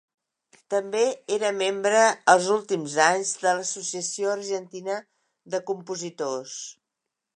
També era membre els últims anys, de l'Associació Argentina de Compositors.